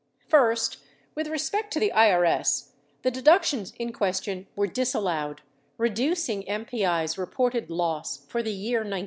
First, with respect to the IRS, the deductions in question were dis allowed, reducing MPI's reported loss for the year 1968.